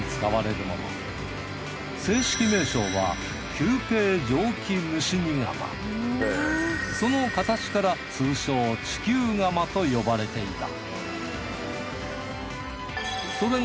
そう地球釜はその形から通称地球釜と呼ばれていた。